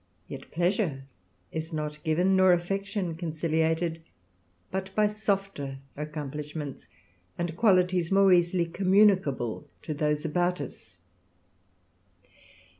THE RAMBLER, 153 yet pleasure is not given, nor affection conciliated, but t>y softer accomplishments, and qualities more easily communicable to those about us.